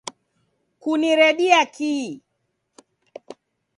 Kuniredia kii